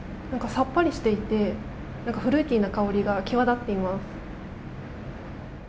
さっぱりしていてフルーティーな香りが際立っています。